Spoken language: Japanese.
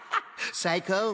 最高！